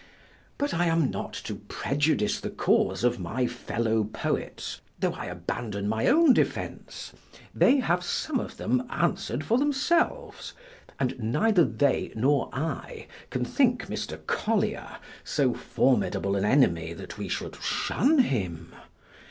But I am not to prejudice the cause of my fellow poets, tho' I abandon my own defense: they have some of them answer'd for themselves, and neither they nor I can think Mr. Collier so formidable an enemy that we should shun him.